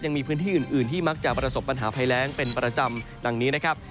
ยังมีพื้นที่อื่นที่มักจะประสบปัญหาภัยแรงเป็นประจำดังนี้นะครับ